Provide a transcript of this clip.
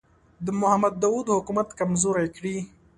د محمد داوود حکومت کمزوری کړي.